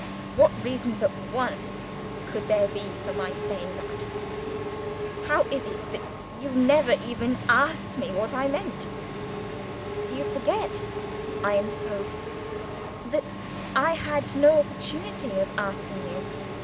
What reason but one could there be for my saying that? How is it that you never even asked me what I meant?" "You forget," I interposed, "that I had no opportunity of asking you.